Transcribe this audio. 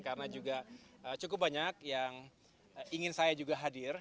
karena juga cukup banyak yang ingin saya juga hadir